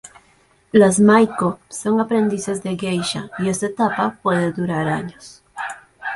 Las "maiko" son aprendices de geisha, y esta etapa puede durar años.